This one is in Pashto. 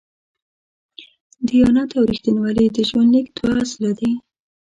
دیانت او رښتینولي د ژوند لیک دوه اصله دي.